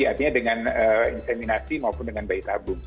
artinya dengan inseminasi maupun dengan bayi tabung